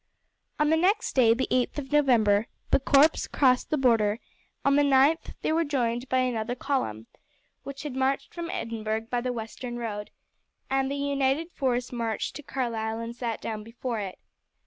On the next day, the 8th of November, the corps crossed the border; on the 9th they were joined by another column, which had marched from Edinburgh by the western road, and the united force marched to Carlisle and sat down before it.